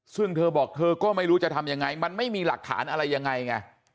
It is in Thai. ซึ่งเธอบอกเธอก็ไม่รู้จะทำยังไงมันไม่มีหลักฐานอะไรยังไงไง